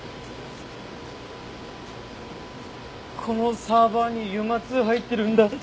このサーバーにＵＭＡ−Ⅱ入ってるんだ。